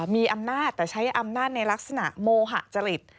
มีอำนาจแต่ใช้อำนาจในลักษณะโมหะจริต